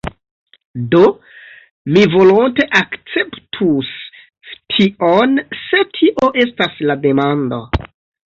Do, mi volonte akceptus tion se tio estas la demando.